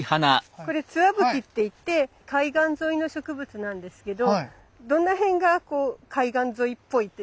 これツワブキっていって海岸沿いの植物なんですけどどの辺がこう海岸沿いっぽいっていうか。